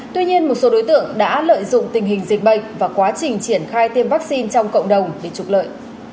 tuy nhiên một số đối tượng đã lợi dụng tình hình dịch bệnh và quá trình triển khai tiêm vaccine trong cộng đồng để trục lợi